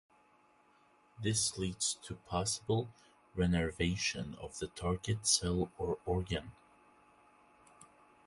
This leads to possible reinnervation of the target cell or organ.